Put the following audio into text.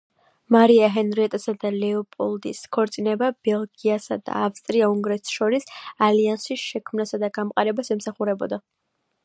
მარია ჰენრიეტასა და ლეოპოლდის ქორწინება ბელგიასა და ავსტრია-უნგრეთს შორის ალიანსის შექმნასა და გამყარებას ემსახურებოდა.